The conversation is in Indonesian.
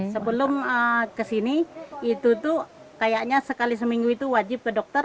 sebelum kesini itu tuh kayaknya sekali seminggu itu wajib ke dokter